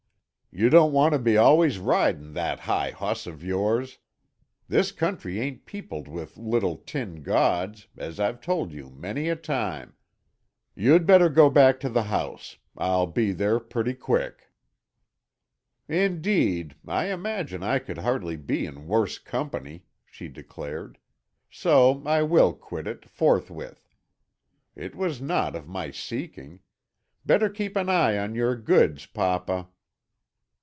You don't want to be always ridin' that high hoss of yours. This country ain't peopled with little tin gods, as I've told you many a time. You'd better go back to the house. I'll be there pretty quick." "Indeed, I imagine I could hardly be in worse company," she declared. "So I will quit it, forthwith. It was not of my seeking. Better keep an eye on your goods, papa."